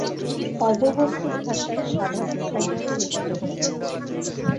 অবহট্ঠ ভাষায় সাধারণ সাহিত্যও রচিত হয়েছে।